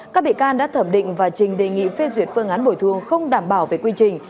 các bị can đã thẩm định và trình đề nghị phê duyệt phương án bồi thương không đảm bảo về quy trình